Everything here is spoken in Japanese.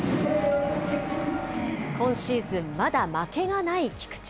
今シーズン、まだ負けがない菊池。